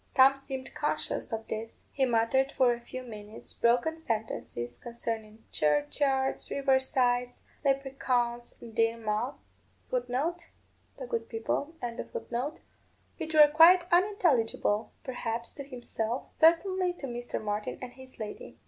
Tom seemed conscious of this. He muttered for a few minutes broken sentences concerning churchyards, river sides, leprechauns, and dina magh, which were quite unintelligible, perhaps, to himself, certainly to Mr. Martin and his lady.